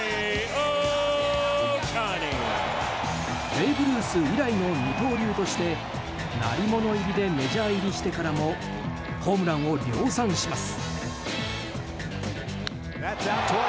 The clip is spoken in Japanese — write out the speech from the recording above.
ベーブ・ルース以来の二刀流として鳴り物入りでメジャー入りしてからもホームランを量産します。